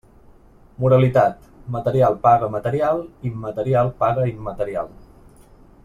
Moralitat: material paga material, immaterial paga immaterial.